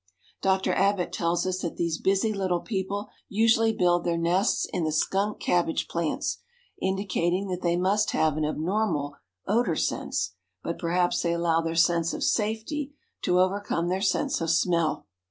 Dr. Abbot tells us that these busy little people usually build their nests in the skunk cabbage plants, indicating that they must have an abnormal odor sense, but perhaps they allow their sense of safety to overcome their sense of smell.